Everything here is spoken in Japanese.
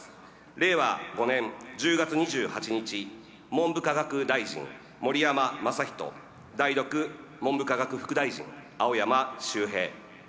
令和五年十月二十八日文部科学大臣盛山正仁代読、文部科学副大臣青山周平。